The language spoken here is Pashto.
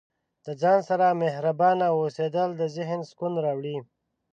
د ځان سره مهربانه اوسیدل د ذهن سکون راوړي.